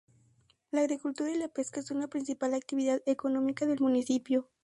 La agricultura y la pesca son la principal actividad económica del municipio.